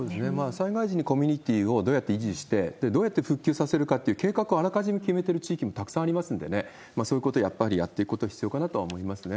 災害時にコミュニティをどうやって維持して、どうやって復旧させるかという計画をあらかじめ決めてる地域もたくさんありますんでね、そういうことを、やっぱりやっていくことは必要かなと思いますね。